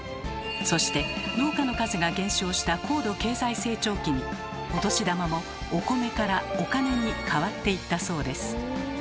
そして農家の数が減少した高度経済成長期にお年玉も「お米」から「お金」に変わっていったそうです。